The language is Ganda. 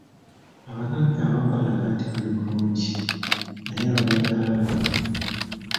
Abagagga abamu balaga nti bali bulungi naye ababazaala bali bubi.